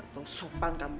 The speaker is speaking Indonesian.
kaka itu dan kakak kamu